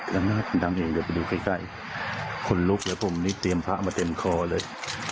ละนาดดังเองเดี๋ยวไปดูใกล้คนลุกเลยผมนี่เตรียมพระมาเต็มคอเลย